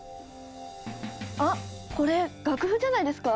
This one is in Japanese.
あっこれ楽譜じゃないですか？